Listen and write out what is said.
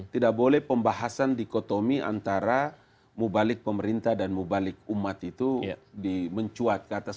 tidak boleh pembahasan dikotomi antara mubalik pemerintah dan mubalik umat itu di mencuat ke atas